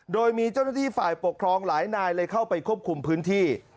โดยมีเจ้าหน้าที่ฝ่ายปกครองหลายนายเลยเข้าไปควบคุมพื้นที่